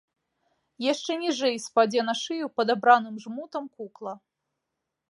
Яшчэ ніжэй спадзе на шыю падабраным жмутам кукла.